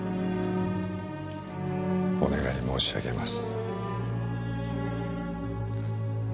お願い申し上げます。